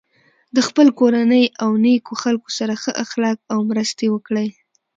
د خپل کورنۍ او نیکو خلکو سره ښه اخلاق او مرستې وکړی.